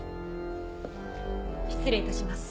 失礼いたします。